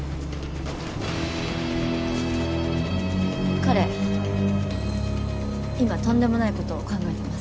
彼今とんでもないことを考えてます。